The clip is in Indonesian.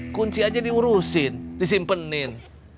kunci aja diurusin disimpenin